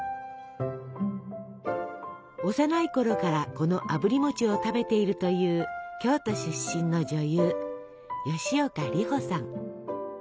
幼いころからこのあぶり餅を食べているという京都出身の女優吉岡里帆さん。